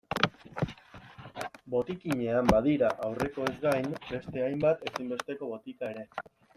Botikinean badira, aurrekoez gain, beste hainbat ezinbesteko botika ere.